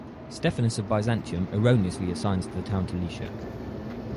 Stephanus of Byzantium erroneously assigns the town to Lycia.